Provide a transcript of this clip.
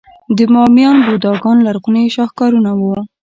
د بامیان بوداګان لرغوني شاهکارونه وو